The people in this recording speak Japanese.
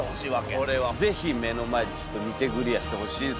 これはぜひ目の前でちょっと見てグリアしてほしいですね。